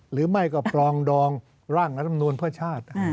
หรือไม่ก็ปลองดองร่างและตำนวนเพื่อชาติ